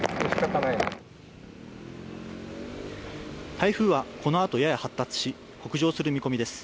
台風はこのあとやや発達し、北上する見込みです。